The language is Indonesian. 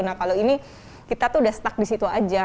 nah kalau ini kita tuh udah stuck di situ aja